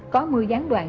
có mưa gián đoạn